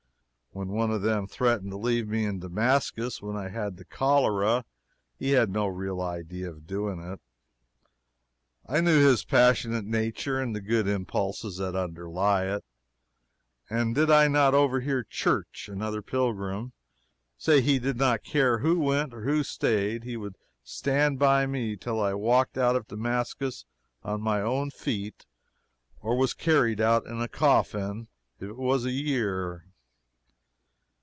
When one of them threatened to leave me in Damascus when I had the cholera, he had no real idea of doing it I know his passionate nature and the good impulses that underlie it. And did I not overhear Church, another pilgrim, say he did not care who went or who staid, he would stand by me till I walked out of Damascus on my own feet or was carried out in a coffin, if it was a year?